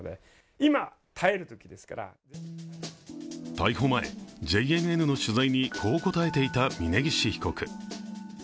逮捕前、ＪＮＮの取材にこう答えていた峯岸被告。